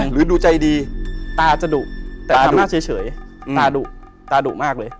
หรือดูใจดีตาจะดุแต่ตาหน้าเฉยตาดุตาดุมากเลย